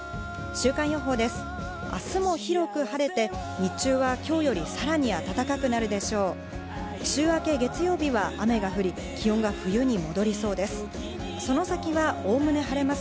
週間予報です。